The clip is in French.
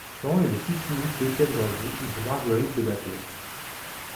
Jean est le fils unique d' Étienne d'Anjou et de Marguerite de Bavière.